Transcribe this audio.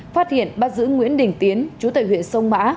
phát hiện bắt giữ nguyễn đình tiến chú tài huyện sông má